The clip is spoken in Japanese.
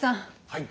はい。